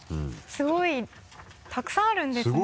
すごいたくさんあるんですね。